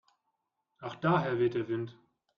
Ach daher weht der Wind.